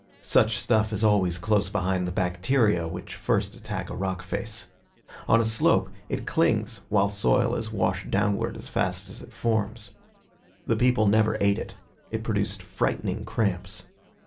Such stuff is always close behind the bacteria which first attack a rock face. On a slope, it clings while soil is washed downward as fast as it forms. The people never ate it. It produced frightening cramps.